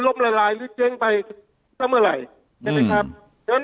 ลมลายลิฟท์เจ๊งไปซ่ำเมื่อไหร่